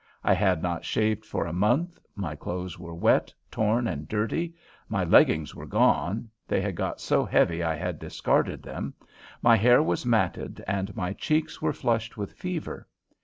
I had not shaved for a month, my clothes were wet, torn, and dirty, my leggings were gone they had got so heavy I had discarded them my hair was matted, and my cheeks were flushed with fever.